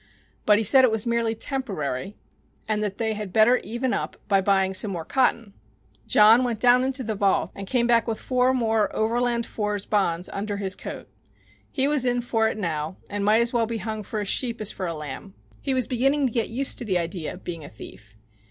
But he said it was merely temporary, and that they had better even up by buying some more cotton. John went down into the vault and came back with four more Overland 4s bonds under his coat. He was in for it now and might as well be hung for a sheep as for a lamb. He was beginning to get used to the idea of being a thief.